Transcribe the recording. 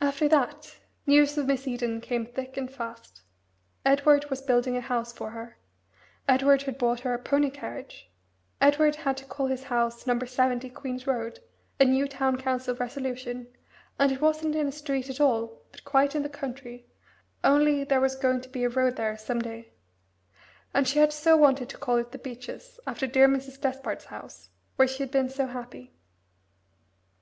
After that, news of Miss Eden came thick and fast. Edward was building a house for her. Edward had bought her a pony carriage. Edward had to call his house No. 70, Queen's Road a new Town Council resolution and it wasn't in a street at all, but quite in the country, only there was going to be a road there some day. And she had so wanted to call it the Beeches, after dear Mrs. Despard's house, where she had been so happy.